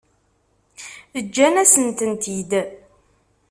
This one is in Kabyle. Ǧǧan-asen-tent-id.